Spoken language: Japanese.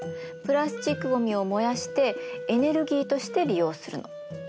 プラスチックごみを燃やしてエネルギーとして利用するの。